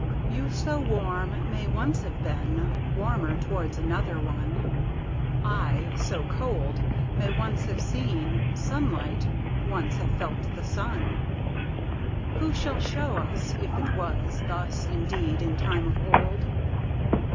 You, so warm, may once have beenWarmer towards another one:I, so cold, may once have seenSunlight, once have felt the sun:Who shall show us if it wasThus indeed in time of old?